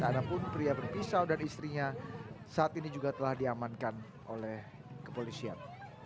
adapun pria berpisau dan istrinya saat ini juga telah diamankan oleh kepolisian